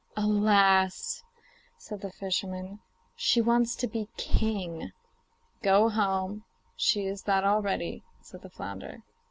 'Alas!' said the fisherman, 'she wants to be king.' 'Go home; she is that already,' said the flounder.